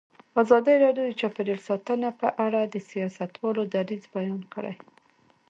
ازادي راډیو د چاپیریال ساتنه په اړه د سیاستوالو دریځ بیان کړی.